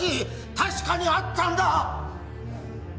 確かにあったんだ！